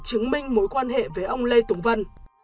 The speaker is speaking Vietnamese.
chứng minh mối quan hệ với ông lê tùng vân